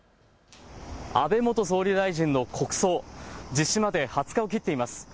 安倍元総理大臣の国葬、実施まで２０日を切っています。